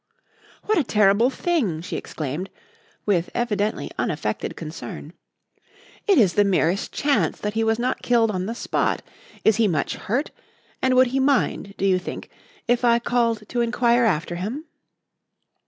"What a terrible thing!" she exclaimed, with evidently unaffected concern. "It is the merest chance that he was not killed on the spot. Is he much hurt? And would he mind, do you think, if I called to inquire after him?"